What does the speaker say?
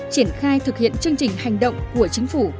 triển khai thực hiện chương trình hành động của chính phủ